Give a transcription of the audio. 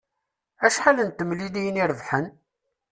Acḥal n temliliyin i rebḥen?